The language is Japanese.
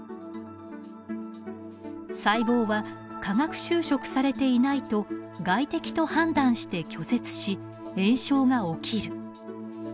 細胞は化学修飾されていないと外敵と判断して拒絶し炎症が起きる。